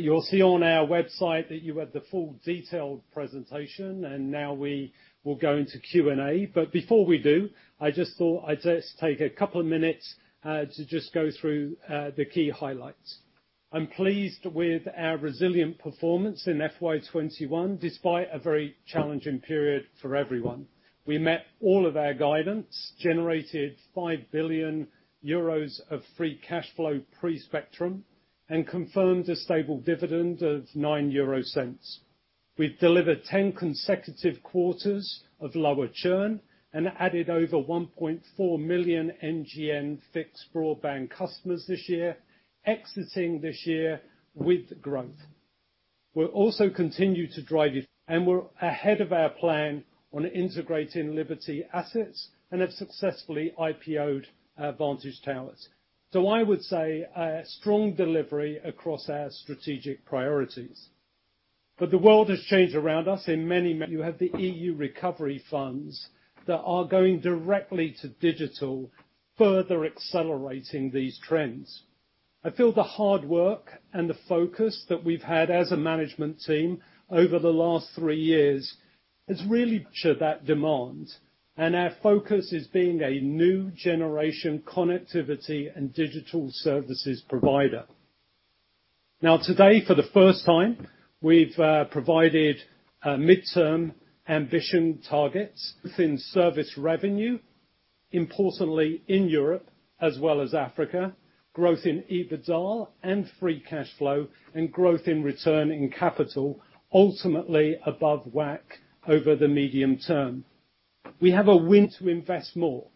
You'll see on our website that you have the full detailed presentation. Now we will go into Q&A. Before we do, I just thought I'd just take a couple of minutes to just go through the key highlights. I'm pleased with our resilient performance in FY21, despite a very challenging period for everyone. We met all of our guidance, generated 5 billion euros of free cash flow pre-spectrum, confirmed a stable dividend of 0.09. We've delivered 10 consecutive quarters of lower churn, added over 1.4 million NGN fixed broadband customers this year, exiting this year with growth. We'll also continue to drive it. We're ahead of our plan on integrating Liberty assets and have successfully IPO'd Vantage Towers. I would say a strong delivery across our strategic priorities. The world has changed around us. You have the EU recovery funds that are going directly to digital, further accelerating these trends. I feel the hard work and the focus that we've had as a management team over the last three years has really ensured that demand and our focus is being a new generation connectivity and digital services provider. Today, for the first time, we've provided midterm ambition targets within service revenue, importantly in Europe as well as Africa, growth in EBITDA and free cash flow, and growth in return on capital, ultimately above WACC over the medium term. We have a will to invest more.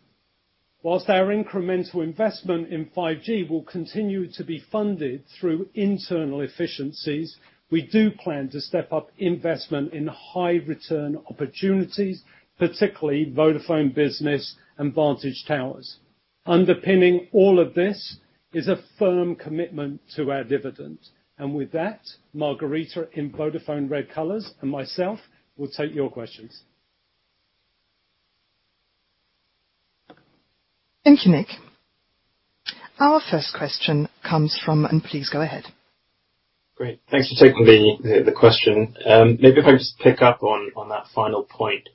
Our incremental investment in 5G will continue to be funded through internal efficiencies, we do plan to step up investment in high return opportunities, particularly Vodafone Business and Vantage Towers. Underpinning all of this is a firm commitment to our dividend. With that, Margherita in Vodafone red colors and myself will take your questions. Thank you, Nick. Our first question comes from, and please go ahead. Great. Thanks for taking the question. If I just pick up on that final point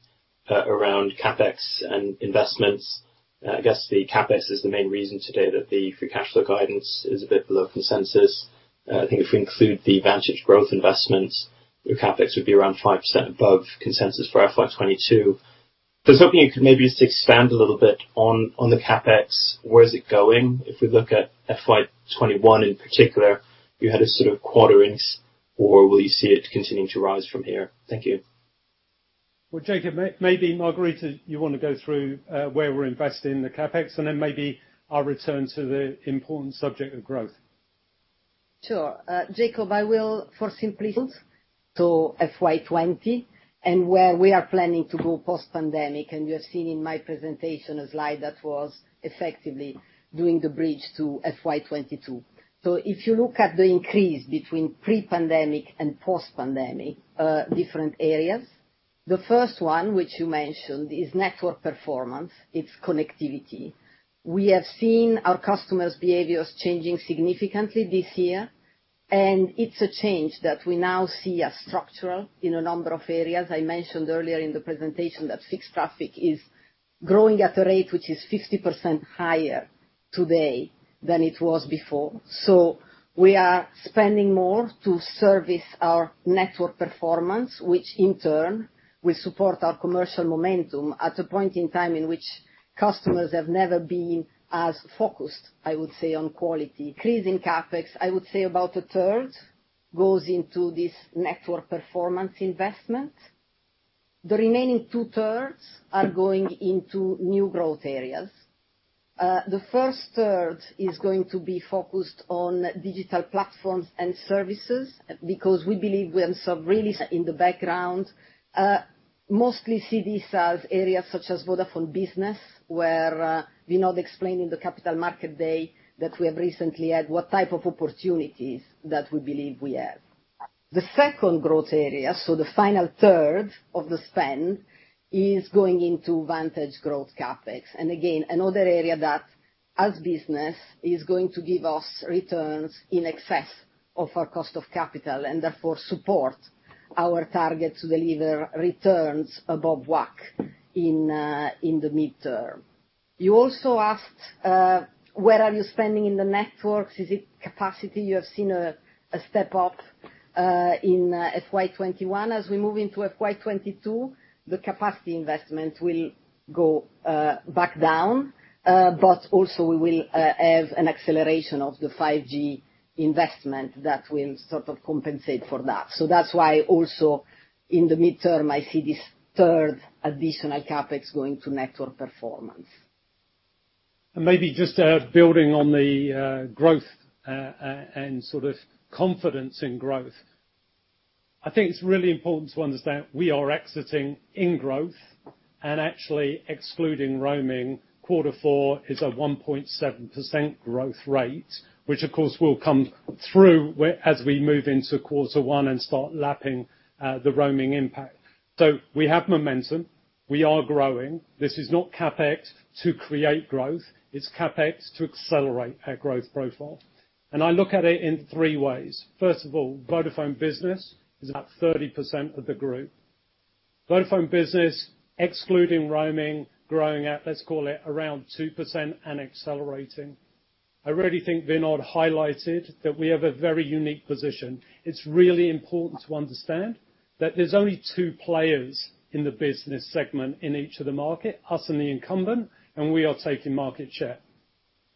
around CapEx and investments. I guess the CapEx is the main reason today that the free cash flow guidance is a bit below consensus. I think if we include the Vantage growth investments, your CapEx would be around 5% above consensus for FY 2022. I was hoping you could maybe just expand a little bit on the CapEx. Where is it going? If we look at FY 2021 in particular, you had a sort of quarter or will you see it continuing to rise from here? Thank you. Well, Jakob, maybe Margherita, you want to go through where we're investing the CapEx, and then maybe I'll return to the important subject of growth. Sure. Jakob, I will for simplicity to FY 2020 and where we are planning to go post-pandemic. You have seen in my presentation a slide that was effectively doing the bridge to FY 2022. If you look at the increase between pre-pandemic and post-pandemic, different areas. The first one, which you mentioned, is network performance, it's connectivity. We have seen our customers' behaviors changing significantly this year, and it's a change that we now see as structural in a number of areas. I mentioned earlier in the presentation that fixed traffic is growing at a rate which is 50% higher today than it was before. We are spending more to service our network performance, which in turn will support our commercial momentum at a point in time in which customers have never been as focused, I would say, on quality. Increase in CapEx, I would say about a third goes into this network performance investment. The remaining two-thirds are going into new growth areas. The first third is going to be focused on digital platforms and services because we believe we have some really in the background, mostly see these as areas such as Vodafone Business, where Vinod explained in the capital market day that we have recently had what type of opportunities that we believe we have. The second growth area, so the final third of the spend, is going into Vantage growth CapEx. Again, another area that as business is going to give us returns in excess of our cost of capital and therefore support our target to deliver returns above WACC in the mid-term. You also asked, where are you spending in the networks? Is it capacity? You have seen a step-up in FY 2021. As we move into FY22, the capacity investment will go back down, but also we will have an acceleration of the 5G investment that will sort of compensate for that. That's why also in the mid-term, I see this third additional CapEx going to network performance. Maybe just building on the growth and sort of confidence in growth. I think it's really important to understand we are exiting in growth and actually excluding roaming. Quarter four is a 1.7% growth rate, which of course will come through as we move into quarter one and start lapping the roaming impact. We have momentum. We are growing. This is not CapEx to create growth, it's CapEx to accelerate our growth profile. I look at it in three ways. First of all, Vodafone Business is about 30% of the group. Vodafone Business, excluding roaming, growing at, let's call it, around 2% and accelerating. I really think Vinod highlighted that we have a very unique position. It's really important to understand that there's only two players in the business segment in each of the market, us and the incumbent, and we are taking market share.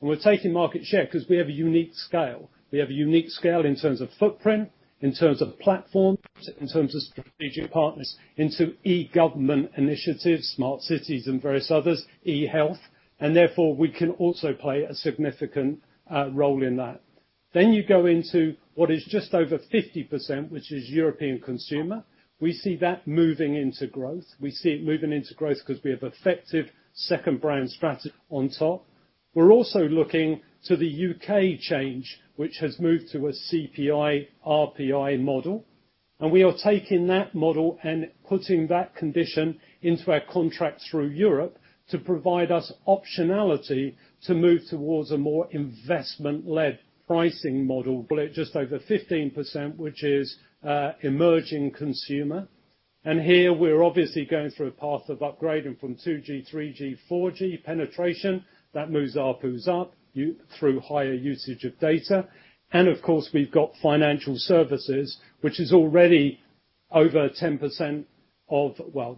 We're taking market share because we have a unique scale. We have a unique scale in terms of footprint, in terms of platforms, in terms of strategic partners, in terms of e-government initiatives, smart cities, and various others, e-health, and therefore we can also play a significant role in that. You go into what is just over 50%, which is European consumer. We see that moving into growth. We see it moving into growth because we have effective second brand strategy on top. We're also looking to the U.K. change, which has moved to a CPI/RPI model, and we are taking that model and putting that condition into our contracts through Europe to provide us optionality to move towards a more investment-led pricing model. At just over 15%, which is emerging consumer. Here we're obviously going through a path of upgrading from 2G, 3G, 4G penetration. That moves ARPU up through higher usage of data. Of course, we've got financial services,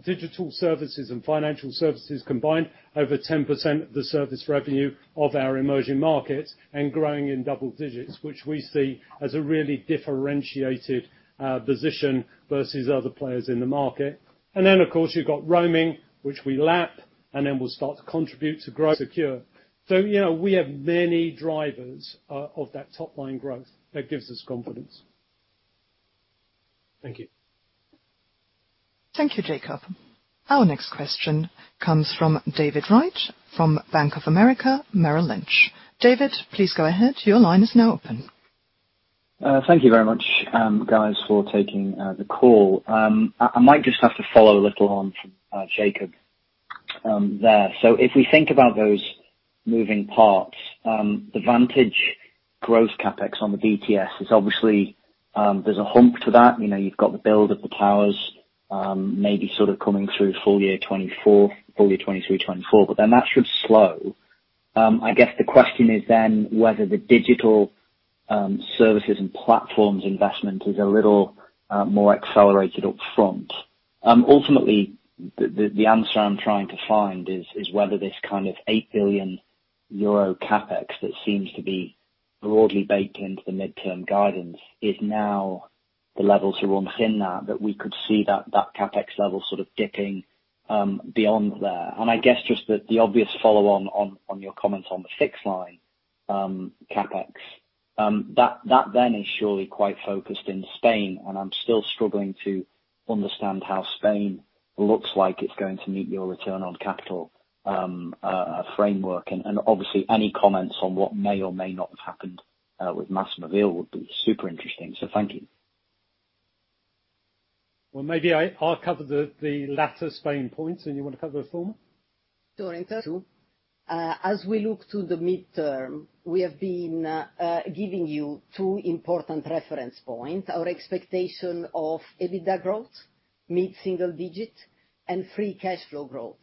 digital services and financial services combined, over 10% of the service revenue of our emerging markets and growing in double digits, which we see as a really differentiated position versus other players in the market. Then, of course, you've got roaming, which we lap, and then will start to contribute to growth secure. We have many drivers of that top-line growth that gives us confidence. Thank you. Thank you, Jakob. Our next question comes from David Wright from Bank of America Merrill Lynch. David, please go ahead. Your line is now open. Thank you very much, guys, for taking the call. I might just have to follow a little on from Jakob there. If we think about those moving parts, the Vantage growth CapEx on the BTS is obviously, there's a hump to that. You've got the build of the towers maybe sort of coming through FY 2024, FY 2023, FY 2024, that should slow. I guess the question is whether the digital services and platforms investment is a little more accelerated up front. Ultimately, the answer I'm trying to find is whether this kind of 8 billion euro CapEx that seems to be broadly baked into the midterm guidance is now the level to run from that we could see that CapEx level sort of dipping beyond there. I guess just the obvious follow on your comments on the fixed line CapEx. That is surely quite focused in Spain, and I'm still struggling to understand how Spain looks like it's going to meet your return on capital framework. Obviously any comments on what may or may not have happened with MásMóvil would be super interesting. Thank you. Well, maybe I'll cover the latter Spain points, and you want to cover the former? Sure. As we look to the midterm, we have been giving you two important reference points. Our expectation of EBITDA growth, mid-single digit, and free cash flow growth,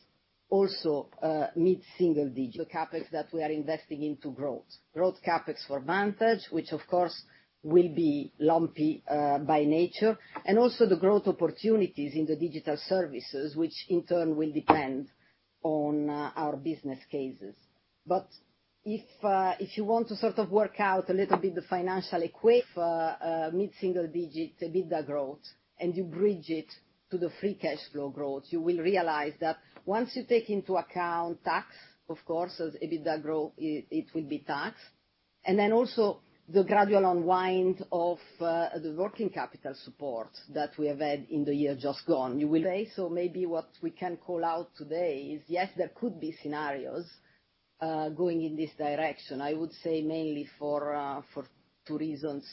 also mid-single digit. The CapEx that we are investing into growth. Growth CapEx for Vantage, which of course will be lumpy by nature, and also the growth opportunities in the digital services, which in turn will depend on our business cases. If you want to sort of work out a little bit the financial equation, mid-single digit EBITDA growth, and you bridge it to the free cash flow growth, you will realize that once you take into account tax, of course, as EBITDA growth, it will be taxed. Also the gradual unwind of the working capital support that we have had in the year just gone. Maybe what we can call out today is, yes, there could be scenarios going in this direction. I would say mainly for two reasons.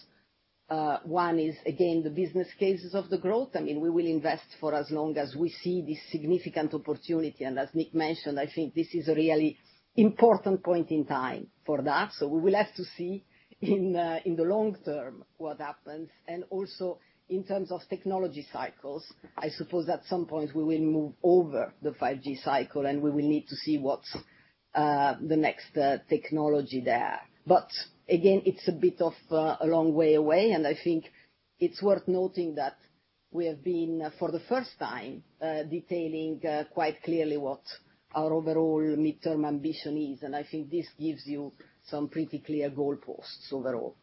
One is, again, the business cases of the growth. I mean, we will invest for as long as we see this significant opportunity. As Nick mentioned, I think this is a really important point in time for that. We will have to see in the long term what happens. Also in terms of technology cycles, I suppose at some point we will move over the 5G cycle and we will need to see what's the next technology there. Again, it's a bit of a long way away, and I think it's worth noting that we have been, for the first time, detailing quite clearly what our overall midterm ambition is, and I think this gives you some pretty clear goalposts overall.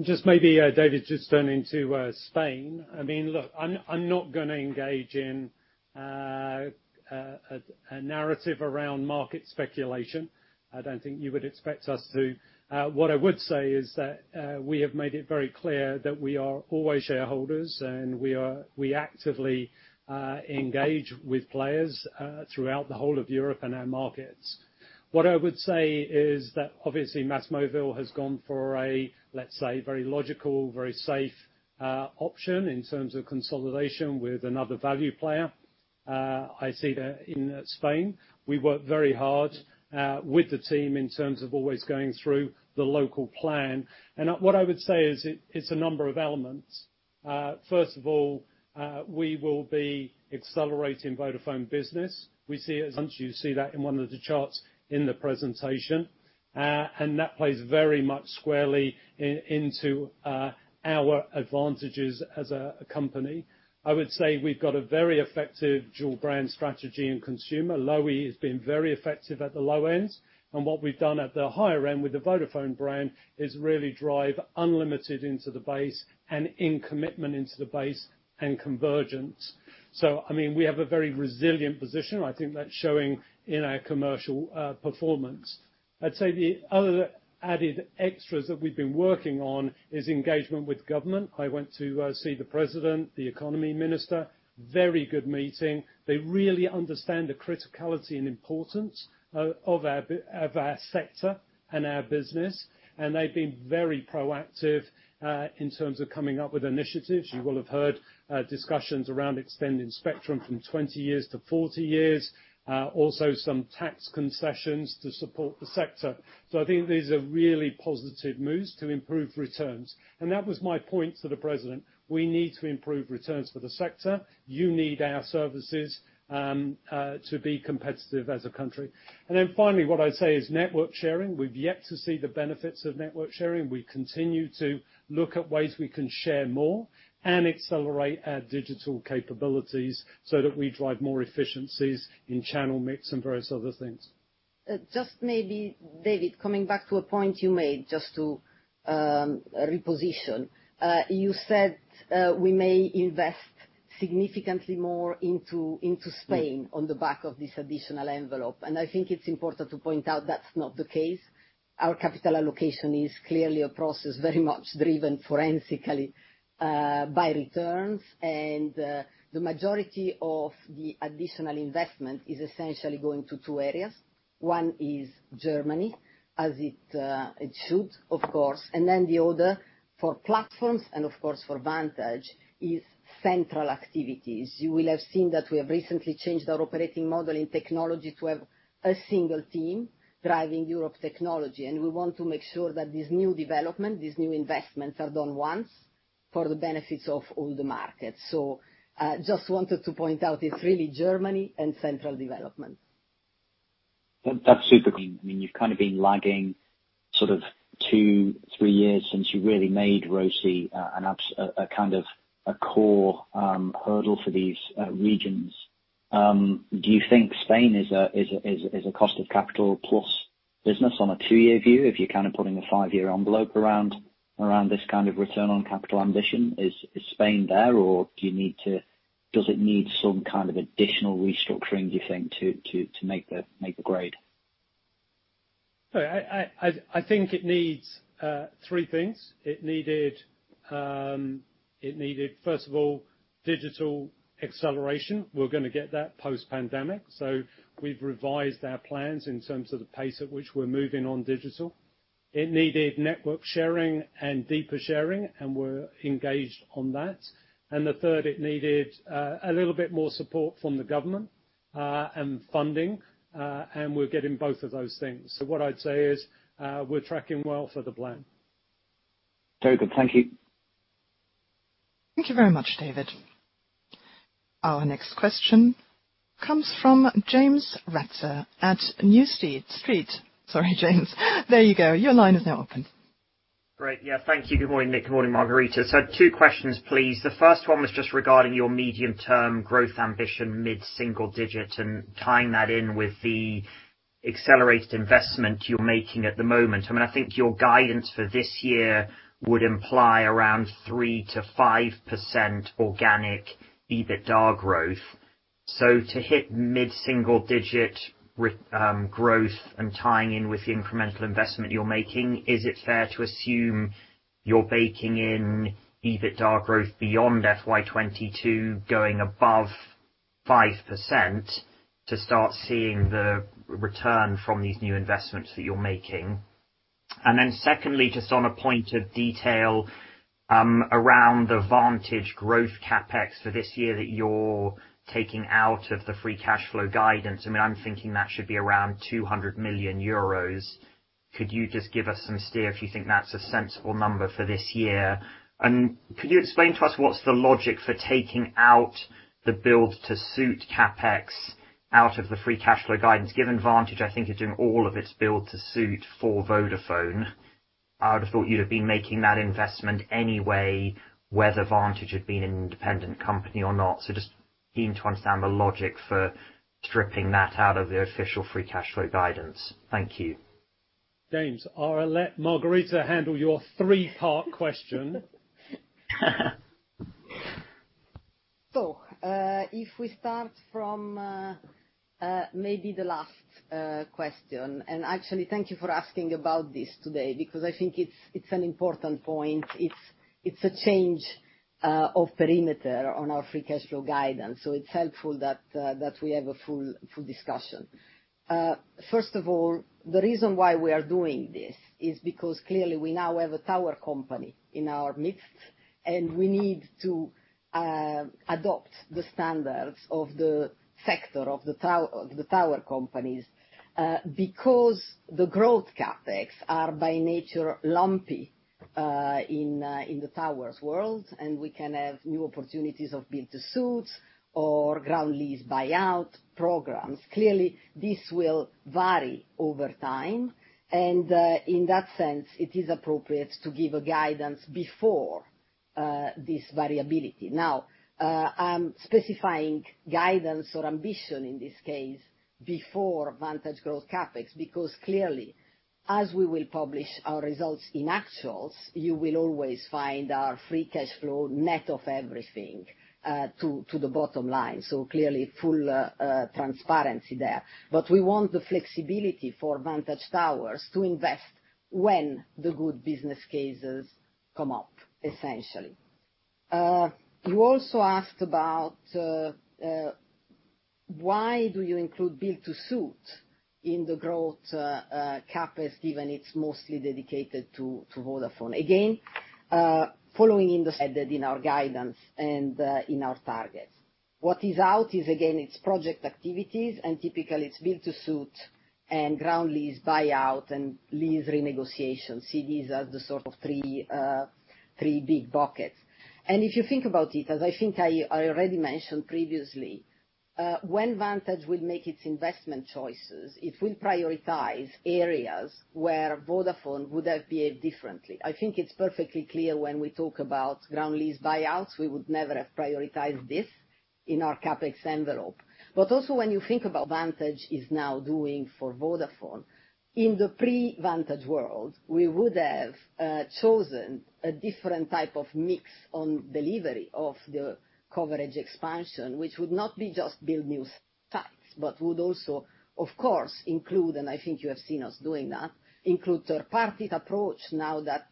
Just maybe, David, just turning to Spain. I mean, look, I'm not going to engage in a narrative around market speculation. I don't think you would expect us to. What I would say is that we have made it very clear that we are always shareholders and we actively engage with players throughout the whole of Europe and our markets. What I would say is that, obviously, MásMóvil has gone for a, let's say, very logical, very safe option in terms of consolidation with another value player. I see that in Spain. We worked very hard with the team in terms of always going through the local plan. What I would say is it's a number of elements. First of all, we will be accelerating Vodafone Business. We see it, as you see that in one of the charts in the presentation. That plays very much squarely into our advantages as a company. I would say we've got a very effective dual brand strategy in consumer. Lowi has been very effective at the low end, and what we've done at the higher end with the Vodafone brand is really drive Unlimited into the base and in commitment into the base, and convergence. We have a very resilient position. I think that's showing in our commercial performance. I'd say the other added extras that we've been working on is engagement with government. I went to see the president, the economy minister. Very good meeting. They really understand the criticality and importance of our sector and our business, and they've been very proactive in terms of coming up with initiatives. You will have heard discussions around extending spectrum from 20 years-40 years. Also some tax concessions to support the sector. I think these are really positive moves to improve returns. That was my point to the President. We need to improve returns for the sector. You need our services to be competitive as a country. Finally, what I'd say is network sharing. We've yet to see the benefits of network sharing. We continue to look at ways we can share more and accelerate our digital capabilities so that we drive more efficiencies in channel mix and various other things. Just maybe, David, coming back to a point you made just to reposition. You said we may invest significantly more into Spain on the back of this additional envelope. I think it's important to point out that's not the case. Our capital allocation is clearly a process, very much driven forensically by returns. The majority of the additional investment is essentially going to two areas. One is Germany, as it should, of course, and then the other, for platforms and of course for Vantage, is central activities. You will have seen that we have recently changed our operating model in technology to have a single team driving Europe technology. We want to make sure that this new development, these new investments, are done once for the benefits of all the markets. Just wanted to point out it's really Germany and central development. That's super, view. You've kind of been lagging two, three years since you really made ROCE a core hurdle for these regions. Do you think Spain is a cost of capital plus business on a two-year view if you're putting a five-year envelope around this kind of return on capital ambition? Is Spain there, or does it need some kind of additional restructuring, do you think, to make the grade? I think it needs three things. It needed, first of all, digital acceleration. We're going to get that post-pandemic. We've revised our plans in terms of the pace at which we're moving on digital. It needed network sharing and deeper sharing, and we're engaged on that. The third, it needed a little bit more support from the government and funding, and we're getting both of those things. What I'd say is we're tracking well for the plan. Very good. Thank you. Thank you very much, David. Our next question comes from James Ratzer at New Street. Sorry, James. There you go. Your line is now open. Great. Yeah. Thank you. Good morning, Nick. Good morning, Margherita. Two questions, please. The first one was just regarding your medium-term growth ambition, mid-single digit, and tying that in with the accelerated investment you're making at the moment. I think your guidance for this year would imply around 3%-5% organic EBITDA growth. To hit mid-single digit growth and tying in with the incremental investment you're making, is it fair to assume you're baking in EBITDA growth beyond FY22 going above 5% to start seeing the return from these new investments that you're making? Secondly, just on a point of detail around the Vantage growth CapEx for this year that you're taking out of the free cash flow guidance. I'm thinking that should be around 200 million euros. Could you just give us some steer if you think that's a sensible number for this year? Could you explain to us what's the logic for taking out the build to suit CapEx out of the free cash flow guidance? Given Vantage, I think, is doing all of its build to suit for Vodafone, I would have thought you'd have been making that investment anyway, whether Vantage had been an independent company or not. Just keen to understand the logic for stripping that out of the official free cash flow guidance. Thank you. James, I'll let Margherita handle your three-part question. If we start from maybe the last question, and actually thank you for asking about this today, because I think it's an important point. It's a change of perimeter on our free cash flow guidance, so it's helpful that we have a full discussion. First of all, the reason why we are doing this is because clearly we now have a tower company in our midst, and we need to adopt the standards of the sector of the tower companies, because the growth CapEx are by nature lumpy in the towers world, and we can have new opportunities of build-to-suit or ground lease buyout programs. Clearly, this will vary over time, and in that sense, it is appropriate to give a guidance before this variability. I'm specifying guidance or ambition in this case before Vantage growth CapEx, because clearly as we will publish our results in actuals, you will always find our free cash flow net of everything to the bottom line. Clearly full transparency there. We want the flexibility for Vantage Towers to invest when the good business cases come up, essentially. You also asked about why do you include build-to-suit in the growth CapEx, given it's mostly dedicated to Vodafone. Again, following in the guidance and in our targets. What is out is again its project activities, and typically it's build-to-suit and ground lease buyout and lease renegotiation. See, these are the sort of three big buckets. If you think about it, as I think I already mentioned previously, when Vantage will make its investment choices, if we prioritize areas where Vodafone would behave differently, I think it's perfectly clear when we talk about ground lease buyouts, we would never have prioritized this in our CapEx envelope. Also when you think about Vantage is now doing for Vodafone. In the pre-Vantage world, we would have chosen a different type of mix on delivery of the coverage expansion, which would not be just build new sites, but would also, of course, include, and I think you have seen us doing that, include third-party approach now that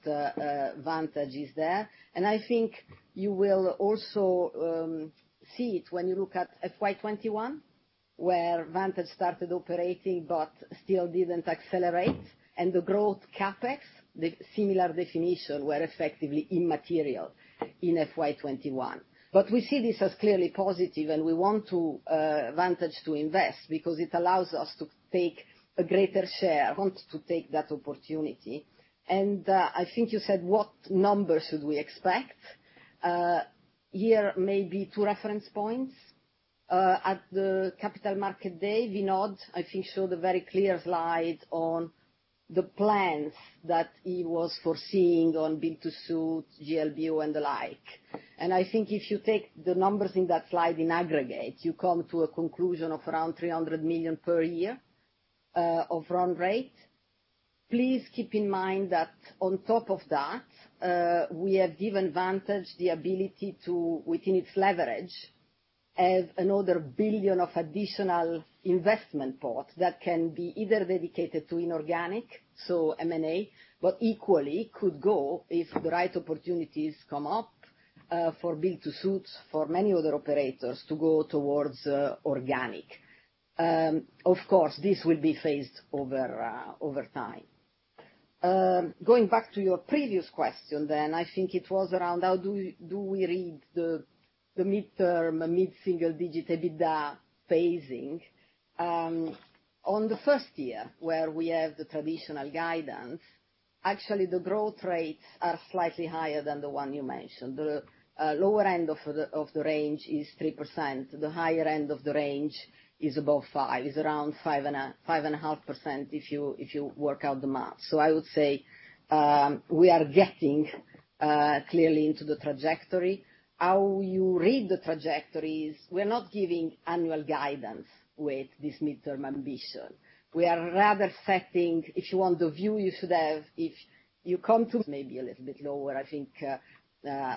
Vantage is there. I think you will also see it when you look at FY 2021, where Vantage started operating but still didn't accelerate, and the growth CapEx, the similar definition were effectively immaterial in FY 2021. We see this as clearly positive and we want Vantage to invest because it allows us to take a greater share. I want to take that opportunity. I think you said what numbers should we expect? Here may be two reference points. At the capital market day, Vinod, I think, showed a very clear slide on the plans that he was foreseeing on build-to-suit, GLB, and the like. I think if you take the numbers in that slide in aggregate, you come to a conclusion of around 300 million per year of run rate. Please keep in mind that on top of that, we have given Vantage the ability to, within its leverage, have another 1 billion of additional investment pot that can be either dedicated to inorganic, so M&A, but equally could go if the right opportunities come up for build-to-suit for many other operators to go towards organic. Of course, this will be phased over time. Going back to your previous question, I think it was around how do we read the midterm and mid-single-digit EBITDA phasing. On the first year where we have the traditional guidance, actually the growth rates are slightly higher than the one you mentioned. The lower end of the range is 3%. The higher end of the range is above five. It's around 5.5% if you work out the math. I would say we are getting clearly into the trajectory. How you read the trajectories, we're not giving annual guidance with this midterm ambition. We are rather setting, if you want the view you should have if you come to maybe a little bit lower, I think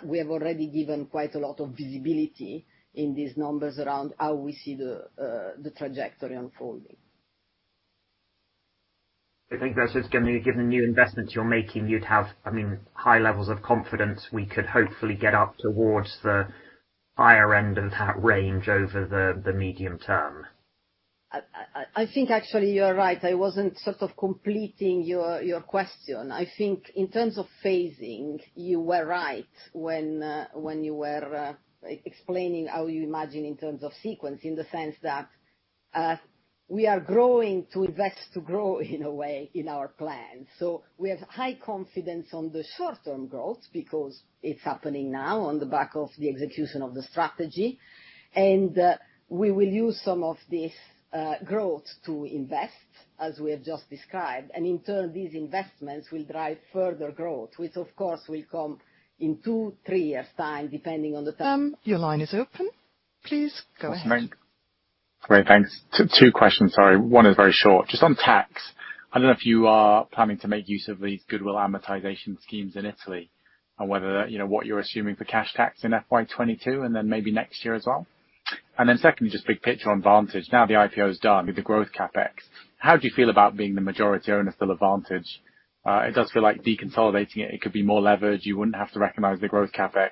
we have already given quite a lot of visibility in these numbers around how we see the trajectory unfolding. I think that's just going to be given new investments you're making, you'd have high levels of confidence we could hopefully get up towards the higher end of that range over the medium term. I think actually you're right. I wasn't completing your question. I think in terms of phasing, you were right when you were explaining how you imagine in terms of sequence, in the sense that we are growing to invest to grow, in a way, in our plan. We have high confidence on the short-term growth because it's happening now on the back of the execution of the strategy. We will use some of this growth to invest, as we have just described. In turn, these investments will drive further growth, which of course will come in two, three years' time, depending on the term. Your line is open. Please go ahead. Great. Thanks. Two questions, sorry. One is very short. Just on tax, I don't know if you are planning to make use of these goodwill amortization schemes in Italy, and what you're assuming for cash tax in FY 2022 and then maybe next year as well. Secondly, just big picture on Vantage. Now the IPO is done with the growth CapEx. How do you feel about being the majority owner, still, of Vantage? It does feel like deconsolidating it could be more leverage. You wouldn't have to recognize the growth CapEx.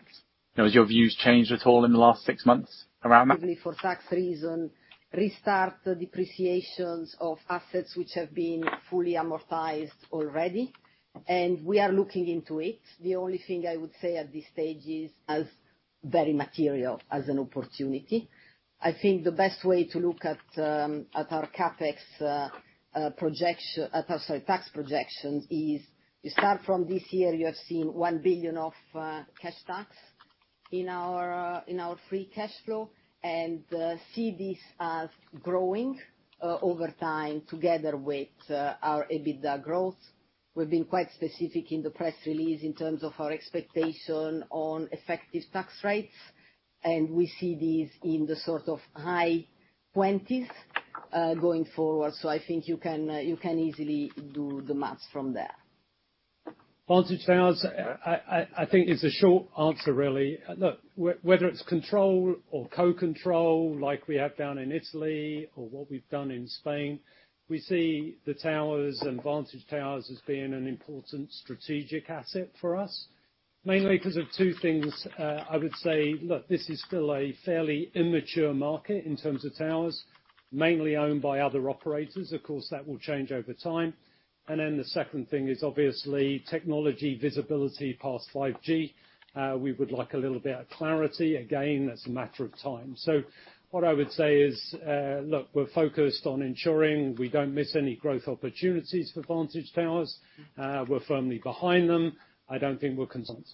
Have your views changed at all in the last six months around that? Maybe for tax reason, restart the depreciations of assets which have been fully amortized already, and we are looking into it. The only thing I would say at this stage is as very material as an opportunity. I think the best way to look at our tax projections is, you start from this year, you have seen 1 billion of cash tax in our free cash flow and see this as growing over time together with our EBITDA growth. We've been quite specific in the press release in terms of our expectation on effective tax rates, and we see this in the sort of high 20s going forward. I think you can easily do the math from there. Vantage Towers, I think it's a short answer, really. Look, whether it's control or co-control like we have down in Italy or what we've done in Spain, we see the towers and Vantage Towers as being an important strategic asset for us. Mainly because of two things, I would say, look, this is still a fairly immature market in terms of towers, mainly owned by other operators. Of course, that will change over time. The second thing is obviously technology visibility past 5G. We would like a little bit of clarity. Again, that's a matter of time. What I would say is, look, we're focused on ensuring we don't miss any growth opportunities for Vantage Towers. We're firmly behind them. I don't think we're concerned.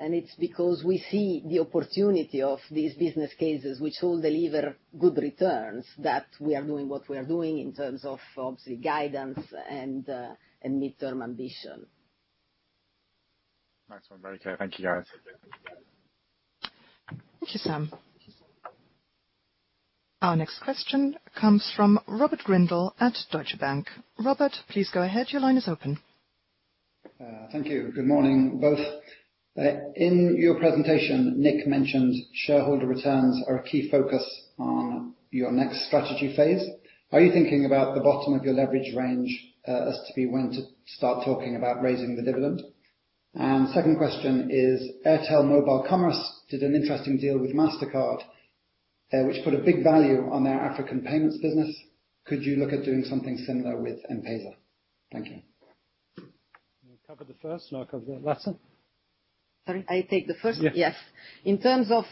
It's because we see the opportunity of these business cases, which will deliver good returns, that we are doing what we are doing in terms of obviously guidance and mid-term ambition. Thanks a lot, everyone. Thank you, guys. Thank you, Sam. Our next question comes from Robert Grindle at Deutsche Bank. Robert, please go ahead. Your line is open. Thank you. Good morning, both. In your presentation, Nick mentioned shareholder returns are a key focus on your next strategy phase. Are you thinking about the bottom of your leverage range as to be when to start talking about raising the dividend? Second question is, Airtel Mobile Commerce did an interesting deal with Mastercard, which put a big value on their African payments business. Could you look at doing something similar with M-PESA? Thank you. You want to cover the first and I'll cover the latter? I take the first. Yeah. Yes. In terms of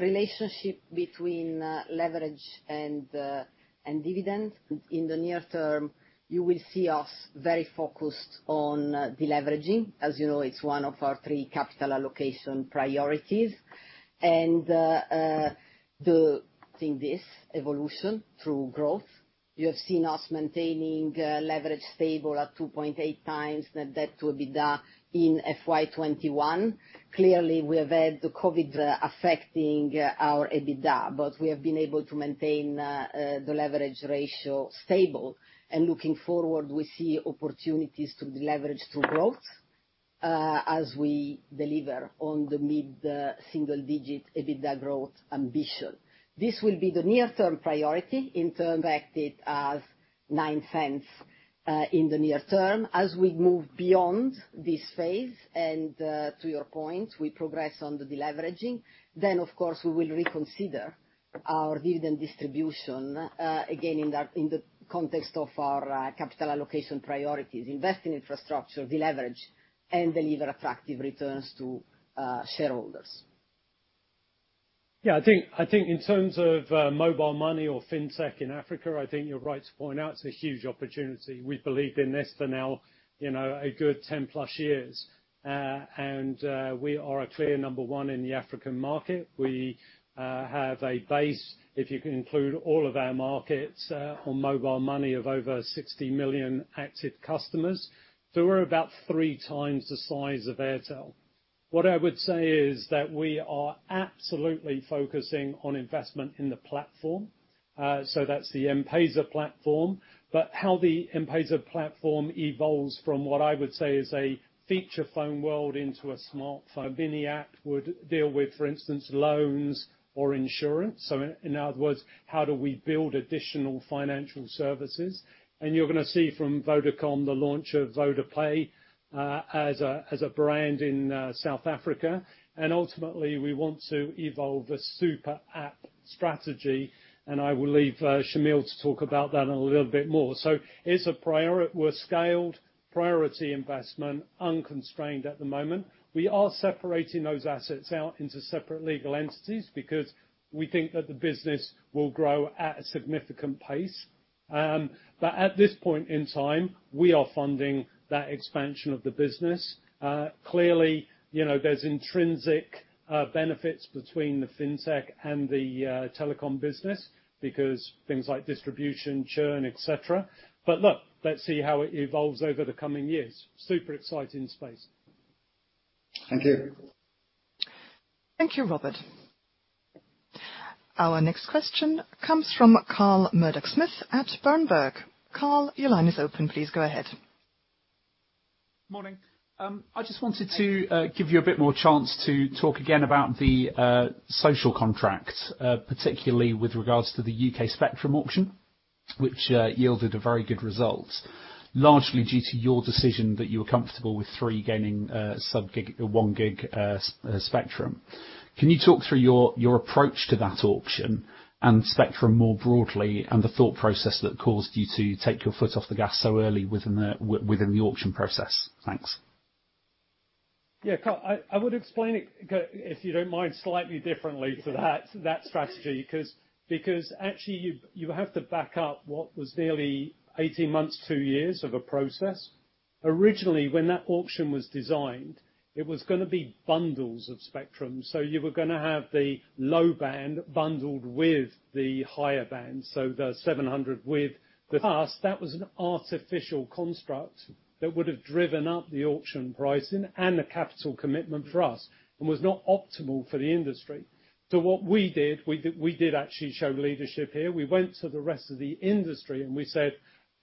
relationship between leverage and dividend, in the near term, you will see us very focused on deleveraging. As you know, it's one of our three capital allocation priorities. In this evolution through growth, you have seen us maintaining leverage stable at 2.8 times net debt to EBITDA in FY 2021. Clearly, we have had the COVID affecting our EBITDA, but we have been able to maintain the leverage ratio stable. Looking forward, we see opportunities to deleverage through growth as we deliver on the mid-single-digit EBITDA growth ambition. This will be the near-term priority in terms of it as 0.09 in the near term. As we move beyond this phase and to your point, we progress on the deleveraging, of course, we will reconsider our dividend distribution, again, in the context of our capital allocation priorities, invest in infrastructure, deleverage, and deliver attractive returns to shareholders. I think in terms of mobile money or fintech in Africa, I think you're right to point out it's a huge opportunity. We've believed in this for now a good 10+ years. We are a clear number one in the African market. We have a base, if you include all of our markets on mobile money, of over 60 million active customers. We're about three times the size of Airtel. What I would say is that we are absolutely focusing on investment in the platform. That's the M-PESA platform. How the M-PESA platform evolves from what I would say is a feature phone world into a smartphone mini app would deal with, for instance, loans or insurance. In other words, how do we build additional financial services? You're going to see from Vodafone the launch of VodaPay as a brand in South Africa. Ultimately, we want to evolve a super app strategy, and I will leave Shameel to talk about that a little bit more. It's a scaled priority investment, unconstrained at the moment. We are separating those assets out into separate legal entities because we think that the business will grow at a significant pace. At this point in time, we are funding that expansion of the business. Clearly, there's intrinsic benefits between the fintech and the telecom business because things like distribution, churn, et cetera. Look, let's see how it evolves over the coming years. Super exciting space. Thank you. Thank you, Robert. Our next question comes from Carl Murdock-Smith at Berenberg. Carl, your line is open. Please go ahead. Morning. I just wanted to give you a bit more chance to talk again about the social contract, particularly with regards to the U.K. spectrum auction, which yielded a very good result, largely due to your decision that you were comfortable with Three gaining one gig spectrum. Can you talk through your approach to that auction and spectrum more broadly, and the thought process that caused you to take your foot off the gas so early within the auction process? Thanks. Carl, I would explain it, if you don't mind, slightly differently for that strategy, because actually you have to back up what was nearly 18 months, two years of a process. Originally, when that auction was designed, it was going to be bundles of spectrum. You were going to have the low band bundled with the higher band, so the 700 with the For us, that was an artificial construct that would have driven up the auction pricing and the capital commitment for us, and was not optimal for the industry. What we did, we did actually show leadership here. We went to the rest of the industry and we said,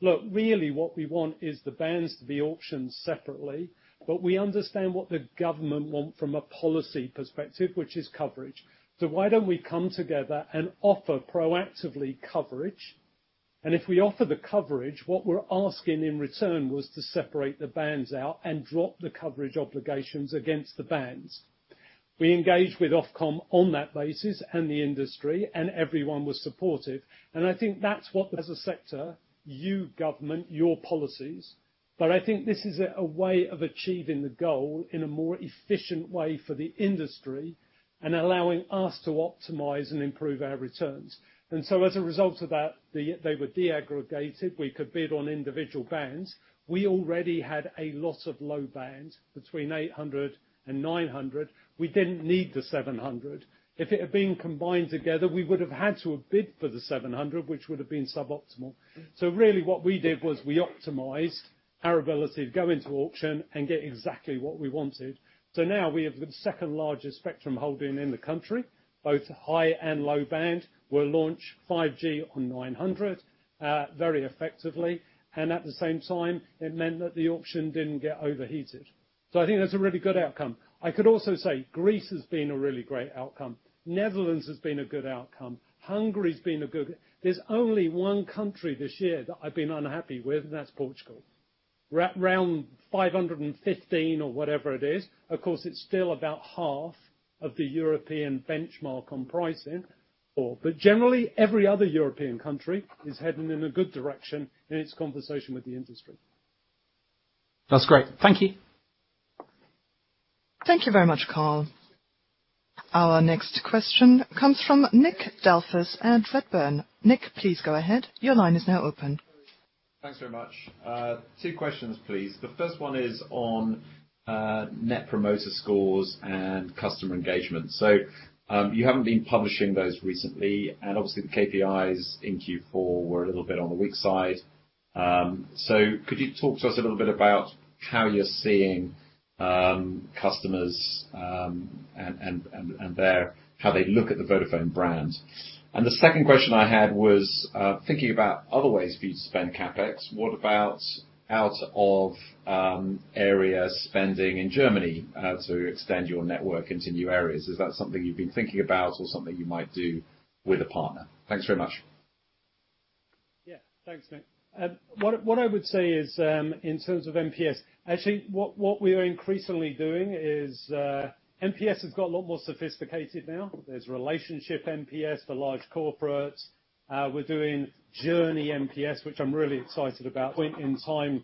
"Look, really what we want is the bands to be auctioned separately, but we understand what the government want from a policy perspective, which is coverage. Why don't we come together and offer proactively coverage? If we offer the coverage, what we're asking in return was to separate the bands out and drop the coverage obligations against the bands." We engaged with Ofcom on that basis, the industry, and everyone was supportive. I think that's what, as a sector, you government, your policies. I think this is a way of achieving the goal in a more efficient way for the industry and allowing us to optimize and improve our returns. As a result of that, they were de-aggregated. We could bid on individual bands. We already had a lot of low band between 800 and 900. We didn't need the 700. If it had been combined together, we would've had to have bid for the 700, which would've been suboptimal. Really what we did was we optimized our ability to go into auction and get exactly what we wanted. Now we have the second largest spectrum holding in the country, both high and low band. We'll launch 5G on 900 very effectively. At the same time, it meant that the auction didn't get overheated. I think that's a really good outcome. I could also say Greece has been a really great outcome. Netherlands has been a good outcome. Hungary's been a good. There's only one country this year that I've been unhappy with, and that's Portugal. We're at around 515 or whatever it is. Of course, it's still about half of the European benchmark on pricing. Generally, every other European country is heading in a good direction in its conversation with the industry. That's great. Thank you. Thank you very much, Carl. Our next question comes from Nick Delfas at Redburn. Nick, please go ahead. Your line is now open. Thanks very much. Two questions, please. The first one is on Net Promoter Scores and customer engagement. You haven't been publishing those recently, and obviously the KPIs in Q4 were a little bit on the weak side. Could you talk to us a little bit about how you're seeing customers, and how they look at the Vodafone brand? The second question I had was, thinking about other ways for you to spend CapEx, what about out of area spending in Germany to extend your network into new areas? Is that something you've been thinking about or something you might do with a partner? Thanks very much. Yeah. Thanks, Nick. What I would say is, in terms of NPS, actually, what we are increasingly doing is, NPS has got a lot more sophisticated now. There's relationship NPS for large corporates. We're doing journey NPS, which I'm really excited about. Point in time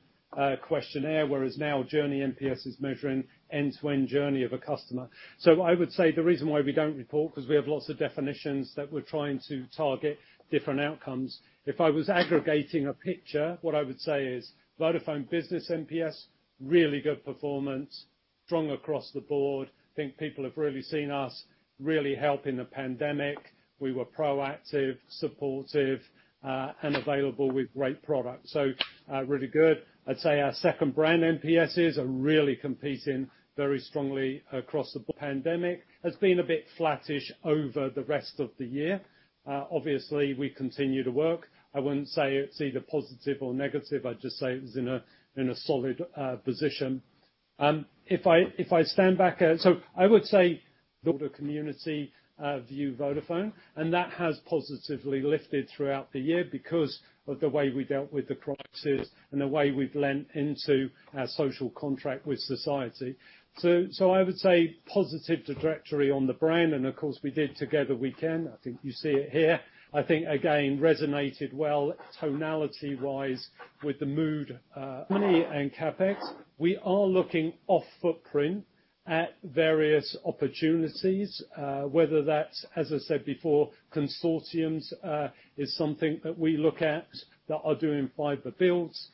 questionnaire. Whereas now journey NPS is measuring end-to-end journey of a customer. I would say the reason why we don't report, because we have lots of definitions that we're trying to target different outcomes. If I was aggregating a picture, what I would say is Vodafone Business NPS, really good performance, strong across the board. I think people have really seen us really help in the pandemic. We were proactive, supportive, and available with great product. Really good. I'd say our second brand NPSs are really competing very strongly across the board. Pandemic has been a bit flattish over the rest of the year. Obviously, we continue to work. I wouldn't say it's either positive or negative. I'd just say it was in a solid position. I would say the broader community view Vodafone, and that has positively lifted throughout the year because of the way we dealt with the crisis and the way we've leaned into our social contract with society. I would say positive trajectory on the brand, and of course we did Together We Can, I think you see it here. I think, again, resonated well tonality-wise with the mood. Money and CapEx. We are looking off footprint at various opportunities. Whether that's, as I said before, consortiums, is something that we look at that are doing fiber builds.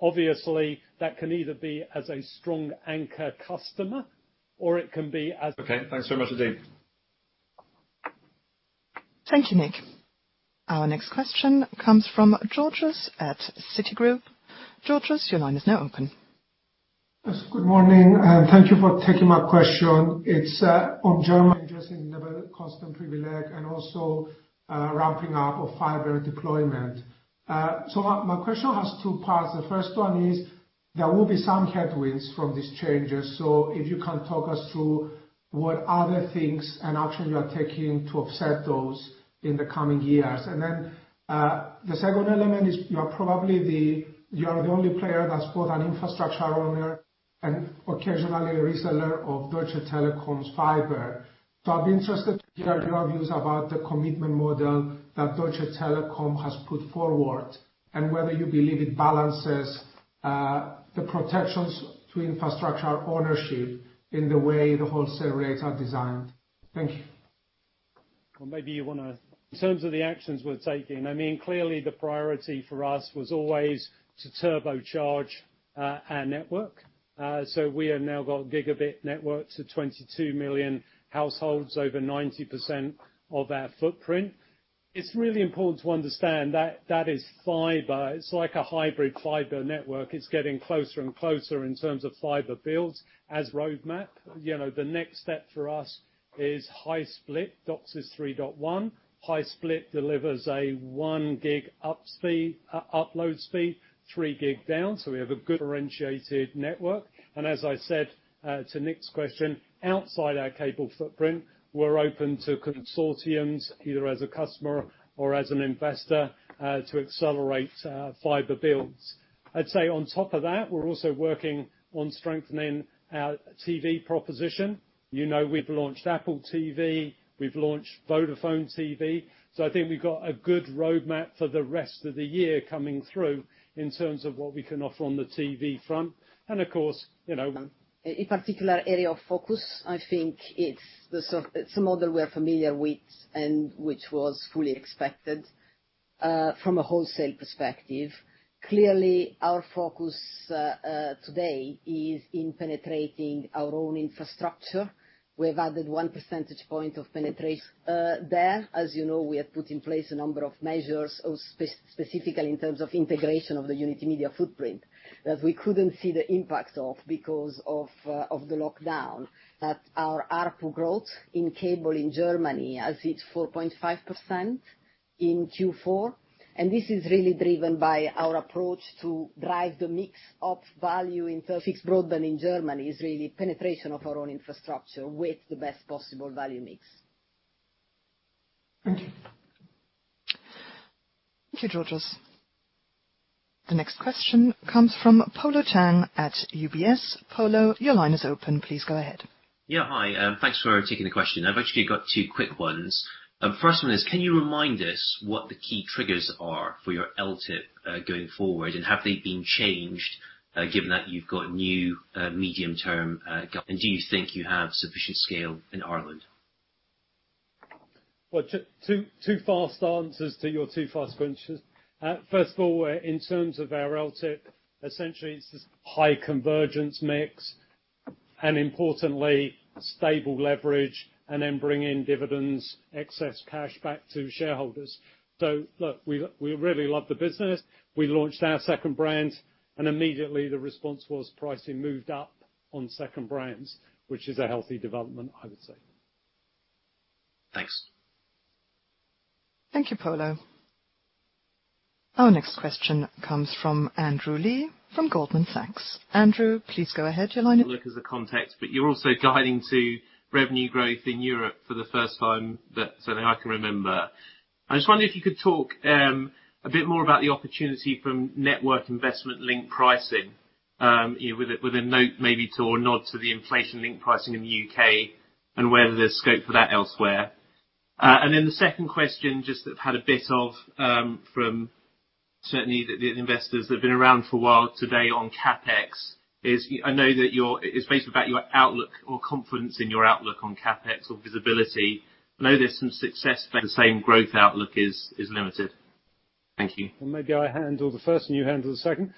Obviously, that can either be as a strong anchor customer or it can be as. Okay. Thanks very much indeed. Thank you, Nick Delfas. Our next question comes from Georgios at Citigroup. Georgios, your line is now open. Good morning. Thank you for taking my question. It's on Germany, just in Nebenkostenprivileg and also ramping up of fiber deployment. My question has two parts. The first one is, there will be some headwinds from these changes. If you can talk us through what other things and action you are taking to offset those in the coming years. The second element is you are the only player that's both an infrastructure owner and occasionally a reseller of Deutsche Telekom's fiber. I'd be interested to hear your views about the commitment model that Deutsche Telekom has put forward, and whether you believe it balances the protections to infrastructure ownership in the way the wholesale rates are designed. Thank you. In terms of the actions we're taking, clearly the priority for us was always to turbocharge our network. We have now got gigabit network to 22 million households, over 90% of our footprint. It's really important to understand that that is fiber. It's like a hybrid fiber network. It's getting closer and closer in terms of fiber builds as roadmap. The next step for us is high split DOCSIS 3.1. High split delivers a 1 gig upload speed, 3 gig down. As I said, to Nick's question, outside our cable footprint, we're open to consortiums, either as a customer or as an investor, to accelerate fiber builds. I'd say on top of that, we're also working on strengthening our TV proposition. We've launched Apple TV, we've launched Vodafone TV. I think we've got a good roadmap for the rest of the year coming through in terms of what we can offer on the TV front. A particular area of focus, I think it's some model we're familiar with and which was fully expected, from a wholesale perspective. Clearly, our focus today is in penetrating our own infrastructure. We've added one percentage point of penetration there. As you know, we have put in place a number of measures specifically in terms of integration of the Unitymedia footprint that we couldn't see the impact of because of the lockdown. That our ARPU growth in cable in Germany has hit 4.5% in Q4, and this is really driven by our approach to drive the mix of value in fixed broadband in Germany is really penetration of our own infrastructure with the best possible value mix. Thank you, Georgios. The next question comes from Polo Tang at UBS. Polo, your line is open. Please go ahead. Yeah. Hi. Thanks for taking the question. I've actually got two quick ones. First one is, can you remind us what the key triggers are for your LTIP, going forward, and have they been changed, given that you've got new? Do you think you have sufficient scale in Ireland? Well, two fast answers to your two fast questions. First of all, in terms of our LTIP, essentially it's this high convergence mix, and importantly, stable leverage and then bring in dividends, excess cash back to shareholders. Look, we really love the business. We launched our second brand, and immediately the response was pricing moved up on second brands, which is a healthy development, I would say. Thanks. Thank you, Polo. Our next question comes from Andrew Lee from Goldman Sachs. Andrew, please go ahead. Your line is- Look as a context, you're also guiding to revenue growth in Europe for the first time that certainly I can remember. I just wonder if you could talk a bit more about the opportunity from network investment linked pricing, with a note maybe to, or nod to the inflation linked pricing in the U.K. and whether there's scope for that elsewhere. The second question, just had a bit of, from certainly the investors that have been around for a while today on CapEx is, I know that it's basically about your outlook or confidence in your outlook on CapEx or visibility. I know there's some success, the same growth outlook is limited. Thank you. Well, maybe I handle the first and you handle the second.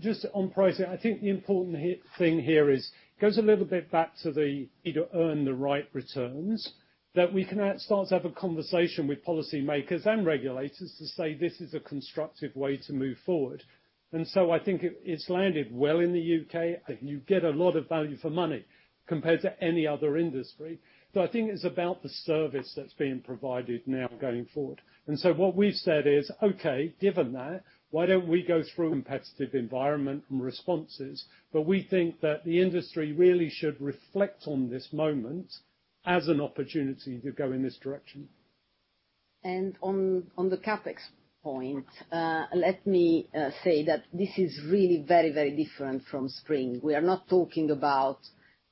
Just on pricing, I think the important thing here is, goes a little bit back to the need to earn the right returns, that we can start to have a conversation with policymakers and regulators to say this is a constructive way to move forward. I think it's landed well in the U.K. You get a lot of value for money compared to any other industry. I think it's about the service that's being provided now going forward. What we've said is, okay, given that, why don't we go through competitive environment and responses? We think that the industry really should reflect on this moment as an opportunity to go in this direction. On the CapEx point, let me say that this is really very, very different from spring. We are not talking about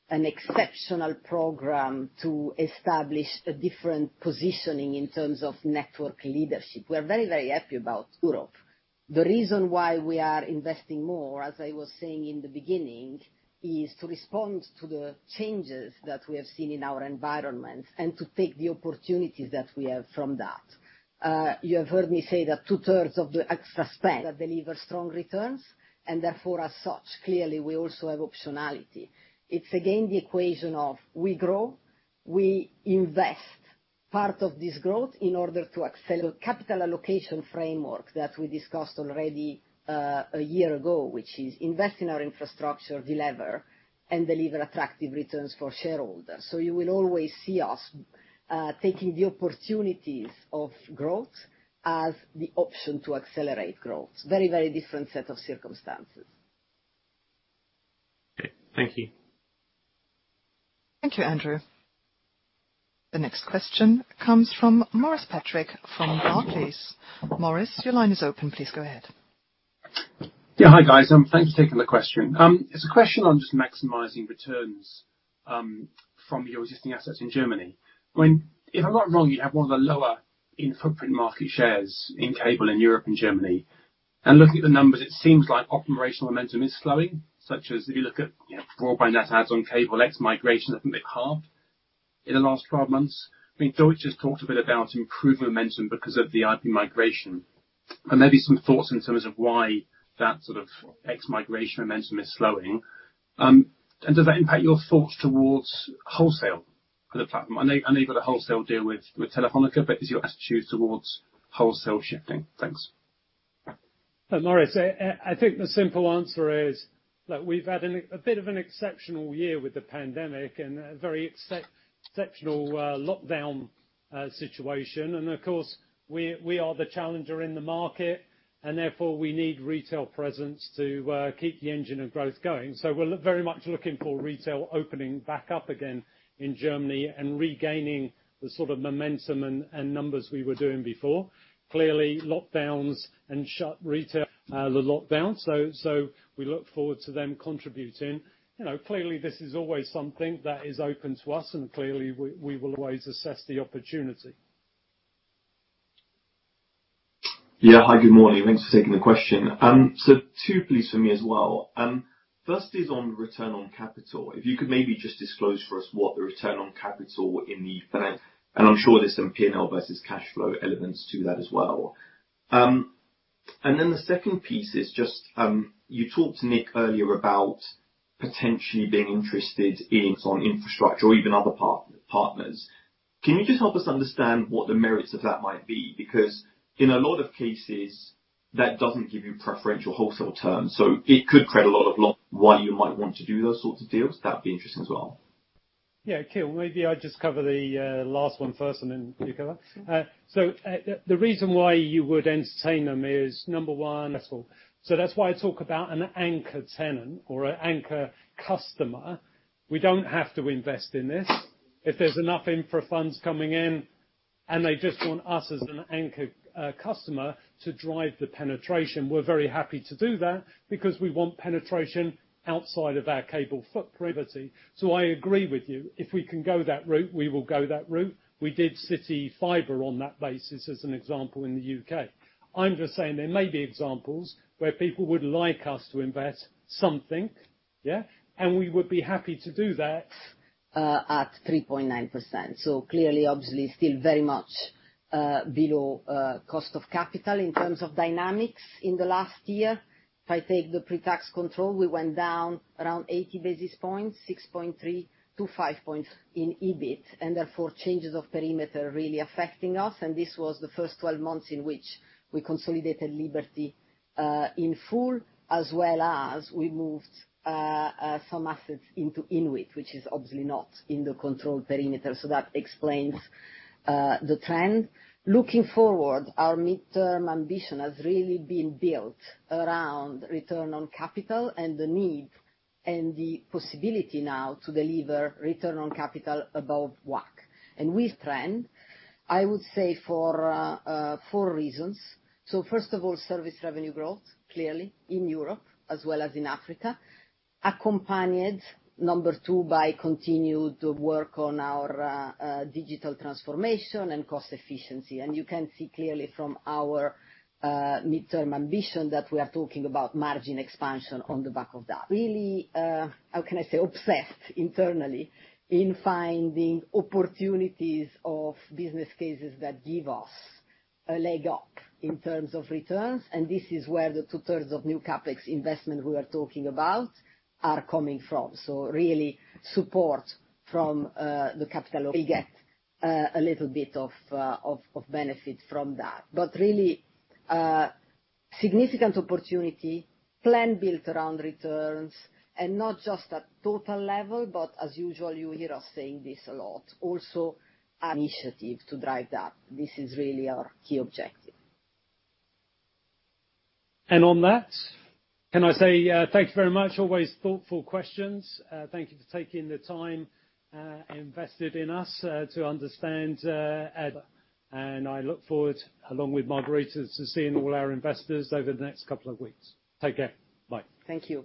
an exceptional program to establish a different positioning in terms of network leadership. We are very, very happy about Europe. The reason why we are investing more, as I was saying in the beginning, is to respond to the changes that we have seen in our environment and to take the opportunities that we have from that. You have heard me say that two-thirds of the extra spend deliver strong returns, and therefore as such, clearly, we also have optionality. It's again, the equation of we grow, we invest part of this growth in order to accelerate capital allocation framework that we discussed already a year ago, which is invest in our infrastructure, delever, and deliver attractive returns for shareholders. You will always see us taking the opportunities of growth as the option to accelerate growth. Very different set of circumstances. Okay. Thank you. Thank you, Andrew. The next question comes from Maurice Patrick from Barclays. Maurice, your line is open. Please go ahead. Yeah. Hi, guys. Thanks for taking the question. It's a question on just maximizing returns from your existing assets in Germany. If I'm not wrong, you have one of the lower footprint market shares in cable in Europe and Germany. Looking at the numbers, it seems like operational momentum is slowing, such as if you look at broadband net adds on cable, ex migration has been cut in the last 12 months. I think Georgios just talked a bit about improved momentum because of the IP migration. Maybe some thoughts in terms of why that sort of ex migration momentum is slowing. Does that impact your thoughts towards wholesale? I know you've got a wholesale deal with Telefónica, but is your attitude towards wholesale shifting? Thanks. Maurice, I think the simple answer is that we've had a bit of an exceptional year with the pandemic and a very exceptional lockdown situation. Of course, we are the challenger in the market, and therefore we need retail presence to keep the engine of growth going. We're very much looking for retail opening back up again in Germany and regaining the sort of momentum and numbers we were doing before. Clearly, lockdowns and shut retail, the lockdown. We look forward to them contributing. Clearly, this is always something that is open to us, and clearly we will always assess the opportunity. Hi, good morning. Thanks for taking the question. Two please for me as well. First is on return on capital. If you could maybe just disclose for us what the return on capital in the and I'm sure there's some P&L versus cash flow elements to that as well. The second piece is just, you talked to Nick earlier about potentially being interested in some infrastructure or even other partners. Can you just help us understand what the merits of that might be? In a lot of cases, that doesn't give you preferential wholesale terms, so it could create a lot of why you might want to do those sorts of deals. That'd be interesting as well. Yeah, sure. Maybe I'll just cover the last one first and then Margherita. The reason why you would entertain them is, number one, wholesale. That's why I talk about an anchor tenant or an anchor customer. We don't have to invest in this. If there's enough infra funds coming in, and they just want us as an anchor customer to drive the penetration. We're very happy to do that because we want penetration outside of our cable footprint. I agree with you. If we can go that route, we will go that route. We did CityFibre on that basis as an example in the U.K. I'm just saying there may be examples where people would like us to invest something, yeah, and we would be happy to do that. At 3.9%. Clearly, obviously, still very much below cost of capital in terms of dynamics in the last year. If I take the pre-tax control, we went down around 80 basis points, 6.3-5 points in EBIT, therefore changes of perimeter really affecting us, this was the first 12 months in which we consolidated Liberty Global in full, as well as we moved some assets into INWIT, which is obviously not in the control perimeter. That explains the trend. Looking forward, our midterm ambition has really been built around return on capital and the need and the possibility now to deliver return on capital above WACC. This trend, I would say for four reasons. First of all, service revenue growth, clearly in Europe as well as in Africa, accompanied number two by continued work on our digital transformation and cost efficiency. You can see clearly from our midterm ambition that we are talking about margin expansion on the back of that. Really, how can I say, obsessed internally in finding opportunities of business cases that give us a leg up in terms of returns. This is where the two-thirds of new CapEx investment we are talking about are coming from. Really support from the capital. We get a little bit of benefit from that. Really, significant opportunity, plan built around returns, and not just at total level, but as usual, you hear us saying this a lot, also initiative to drive that. This is really our key objective. On that, can I say, thank you very much. Always thoughtful questions. Thank you for taking the time invested in us to understand. I look forward, along with Margherita, to seeing all our investors over the next couple of weeks. Take care. Bye. Thank you.